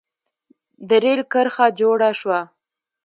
د رېل کرښه جوړه شوه.